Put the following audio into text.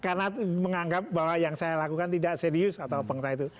karena menganggap bahwa yang saya lakukan tidak serius atau pengennya itu